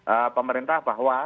eee pemerintah bahwa